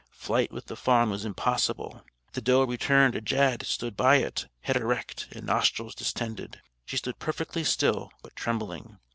Flight with the fawn was impossible. The doe returned ajad stood by it, head erect, and nostrils distended. She stood perfectly still, but trembling.